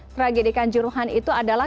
tragedikan juruhan itu adalah